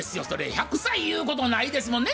１００歳ゆうことないですもんね？